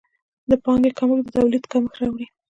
د پانګې کمښت د تولید کمښت راولي.